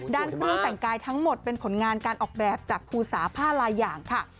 เครื่องแต่งกายทั้งหมดเป็นผลงานการออกแบบจากภูสาผ้าลายอย่างค่ะ